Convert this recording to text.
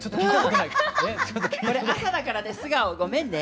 これ朝だからね素顔ごめんね。